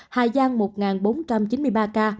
hà giang một bốn trăm chín mươi ba ca